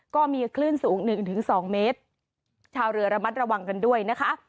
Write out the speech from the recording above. ก็มีคลื่นสูงหนึ่งถึงสองเมตรชาวเรือระมัดระวังกันด้วยนะคะ